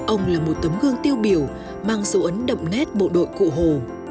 ông là một tấm gương tiêu biểu mang dấu ấn đậm nét bộ đội cụ hồ